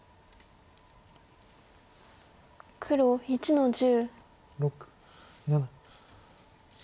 黒５の十。